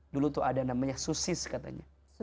dulu tuh ada namanya susis katanya